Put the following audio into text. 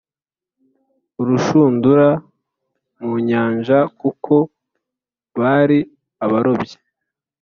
urushundura mu nyanja kuko bari abarobyi